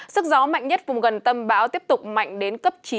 sức gió mạnh nhất vùng gần tâm báo tiếp tục mạnh đến cấp chín